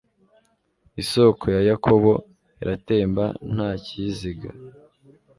isoko ya yakobo iratemba nta kiyiziga